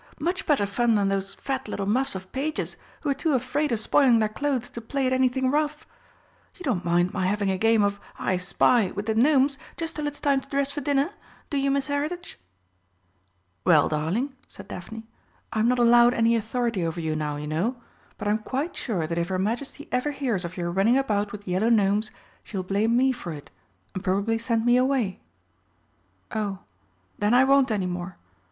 Much better fun than those fat little muffs of pages, who are too afraid of spoiling their clothes to play at anything rough. You don't mind my having a game of 'I spy' with the Gnomes just till it's time to dress for dinner do you, Miss Heritage?" "Well, darling," said Daphne, "I'm not allowed any authority over you now, you know. But I'm quite sure that if her Majesty ever hears of your running about with Yellow Gnomes, she will blame me for it, and probably send me away." "Oh, then I won't any more.